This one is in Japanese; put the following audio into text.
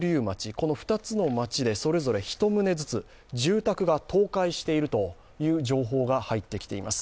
この２つの町でそれぞれ１棟ずつ住宅が倒壊しているという情報が入ってきています。